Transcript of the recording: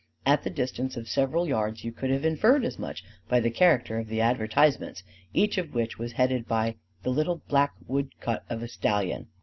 At the distance of several yards you could have inferred as much by the character of the advertisements, each of which was headed by the little black wood cut of a stallion.